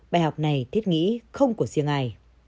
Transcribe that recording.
bài học này thiết nghĩ không của siêng ai